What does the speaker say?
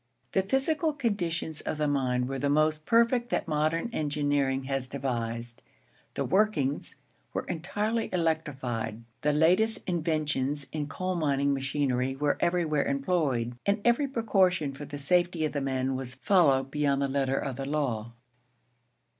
The physical conditions of the mine were the most perfect that modern engineering has devised: the 'workings' were entirely electrified; the latest inventions in coal mining machinery were everywhere employed, and every precaution for the safety of the men was followed beyond the letter of the law.